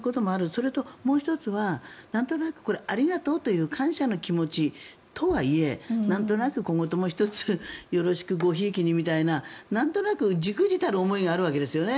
それともう１つはなんとなく、ありがとうという感謝の気持ちとはいえなんとなく今後とも一つよろしくごひいきにみたいななんとなく、忸怩たる思いがあるわけですよね。